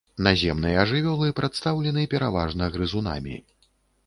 Наземныя жывёлы прадстаўлены пераважна грызунамі.